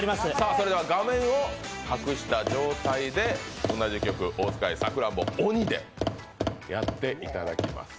それでは画面を隠した状態で同じ曲、大塚愛「さくらんぼ」を「おに」をやっていただきます。